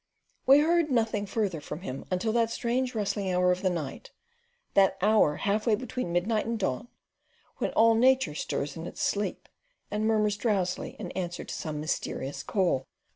We heard nothing further from him until that strange rustling hour of the night that hour half way between midnight and dawn, when all nature stirs in its sleep, and murmurs drowsily in answer to some mysterious call.